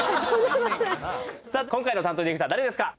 今回の担当ディレクター誰ですか？